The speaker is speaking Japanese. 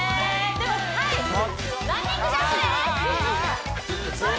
ではランニングジャンプですああ！